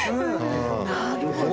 なるほど！